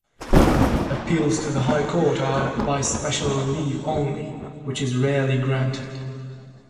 Appeals to the High Court are by special leave only, which is rarely granted.